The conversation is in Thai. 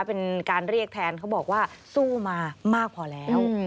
เป็นการเรียกแทนเขาบอกว่าสู้มามากพอแล้ว